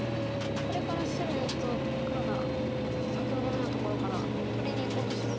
これから白４つを黒が先ほどのようなところから取りにいこうとすると。